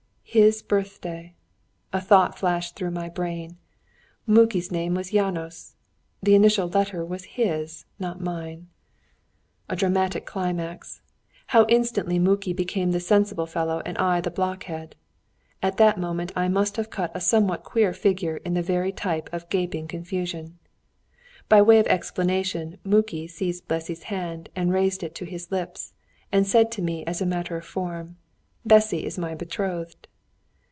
His birthday! A thought flashed through my brain. Muki's name was János. That initial letter was his, not mine. A dramatic climax. How instantly Muki became the sensible fellow and I the blockhead! At that moment I must have cut a somewhat queer figure the very type of gaping confusion. By way of explanation Muki seized Bessy's hand and raised it to his lips, and said to me as a matter of form, "Bessy is my betrothed."